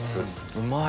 うまい。